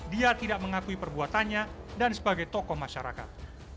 dia tidak mengakui perbuatannya dan sebagai tokoh masyarakat